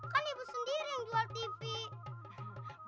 kan ibu sendiri yang jual tv